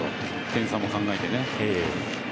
点差も考えてね。